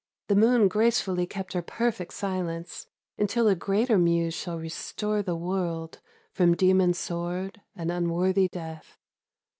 The moon gracefully kept her perfect silence Until a greater muse shall restore the world From demon's sword and unworthy death.